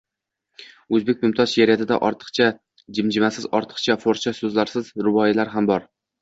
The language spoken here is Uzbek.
O‘zbek mumtoz sheʼriyatida ortiqcha jimjimasiz, ortiqcha forscha so‘zlarsiz ruboiylar ham bor.